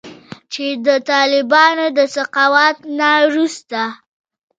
چې د طالبانو د سقوط نه وروسته